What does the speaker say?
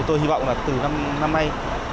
tôi hy vọng là từ năm nay